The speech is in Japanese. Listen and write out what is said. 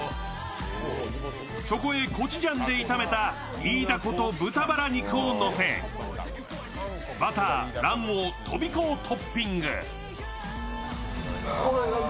そこへコチュジャンで炒めたイイダコと豚バラ肉をのせ、バター、卵黄、とびこをトッピング。